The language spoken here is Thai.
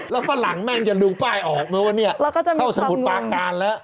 แล้วฝรั่งแม่งจะดูป้ายออกนะว่าเนี่ยเข้าสมุทรปาการแล้ว